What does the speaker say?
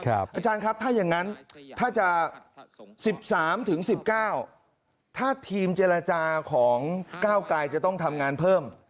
อาจารย์ครับถ้าอย่างนั้นถ้าจะ๑๓๑๙ถ้าทีมเจรจาของก้าวไกรจะต้องทำงานเพิ่ม